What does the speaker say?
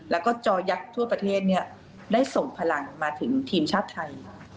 แล้วก็จอยักษ์ทั่วประเทศได้ส่งพลังมาถึงทีมชาติไทย